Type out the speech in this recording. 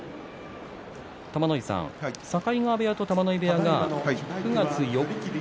玉ノ井さん境川部屋と玉ノ井部屋９月４日